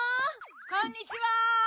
こんにちは！